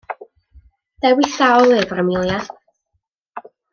Dewis da o lyfr Amelia!